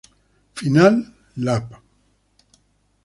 Final Lap